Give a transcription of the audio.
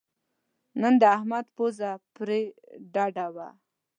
نن د احمد پوزه پرې ډډه وه.